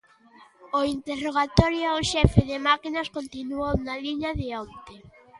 O interrogatorio ao xefe de máquinas continuou na liña de onte.